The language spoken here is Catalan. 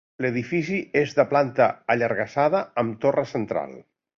L'edifici és de planta allargassada amb torre central.